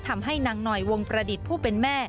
ทำให้นางหน่อยวงประดิษฐ์ผู้เป็นแม่